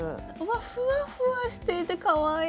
ふわふわしていてかわいい！